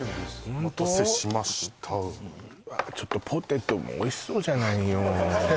お待たせしましたちょっとポテトもおいしそうじゃないよ